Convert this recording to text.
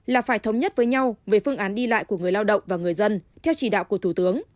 là phải thống nhất với nhau về phương án đi lại của người lao động và người dân theo chỉ đạo của thủ tướng